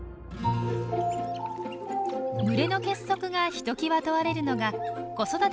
群れの結束がひときわ問われるのが子育ての時。